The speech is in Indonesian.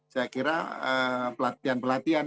saya kira pelatihan pelatihan